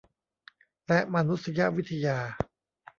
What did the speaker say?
และมานุษยวิทยา